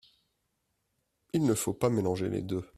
Il ne faut pas mélanger les deux.